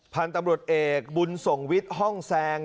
พันธุ์ตำรวจเอกบุญส่งวิทย์ห้องแซง